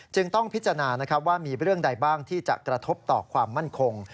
ต้องพิจารณานะครับว่ามีเรื่องใดบ้างที่จะกระทบต่อความมั่นคง